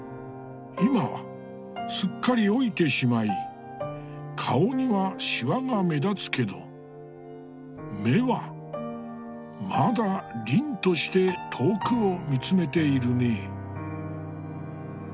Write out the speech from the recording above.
今はすっかり老いてしまい顔にはシワが目立つけど目はまだ凜として遠くを見つめているね。